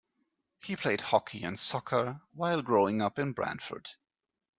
He played hockey and soccer while growing up in Brantford.